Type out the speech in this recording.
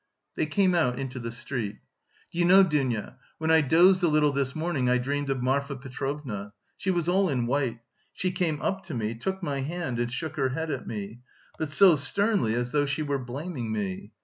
They came out into the street. "Do you know, Dounia, when I dozed a little this morning I dreamed of Marfa Petrovna... she was all in white... she came up to me, took my hand, and shook her head at me, but so sternly as though she were blaming me....